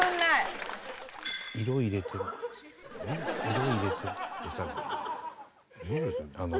色入れてるの？